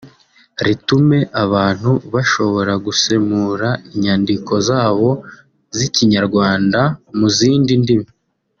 ritume abantu bashobora gusemura inyandiko zabo z’ikinyarwanda mu zindi ndimi